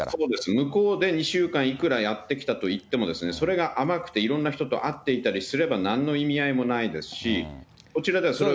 向こうで２週間いくらやってきたといってもですね、それが甘くて、いろんな人と会っていたりすれば、なんの意味合いもないですし、こちらではそれを。